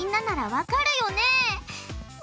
わかるよね？